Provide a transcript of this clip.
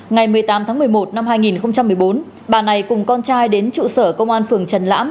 ngày một mươi tám tháng một mươi một năm hai nghìn một mươi bốn bà này cùng con trai đến trụ sở công an phường trần lãm